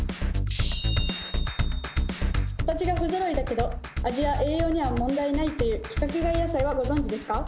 形は不ぞろいだけど味や栄養には問題ないという規格外野菜はご存じですか？